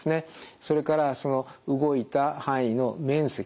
それから動いた範囲の面積ですね。